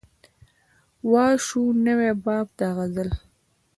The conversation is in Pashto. وا شو نوی باب د غزل